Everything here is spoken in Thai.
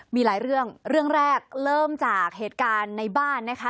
มีหลายเรื่องเรื่องแรกเริ่มจากเหตุการณ์ในบ้านนะคะ